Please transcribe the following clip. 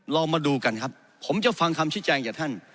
เรามาดูกันครับผมจะฟังคำชี้แจงจากท่าน